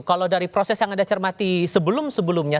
kalau dari proses yang anda cermati sebelum sebelumnya